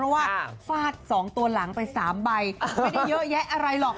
ว่าฟาดสองตัวหลังไปสามใบไม่ได้เยอะแยะอะไรหรอก